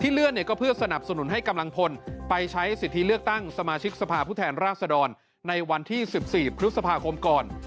เลื่อนเนี่ยก็เพื่อสนับสนุนให้กำลังพลไปใช้สิทธิเลือกตั้งสมาชิกสภาพผู้แทนราชดรในวันที่๑๔พฤษภาคมก่อน